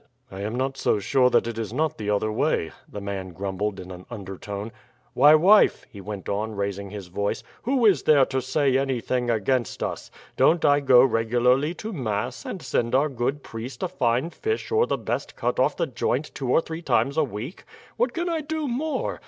"I am not so sure that it is not the other way," the man grumbled in an undertone. "Why, wife," he went on, raising his voice, "who is there to say anything against us. Don't I go regularly to mass, and send our good priest a fine fish or the best cut off the joint two or three times a week? What can I do more?